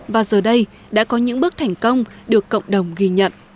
và giờ đây đã có những bước thành công được cộng đồng ghi nhận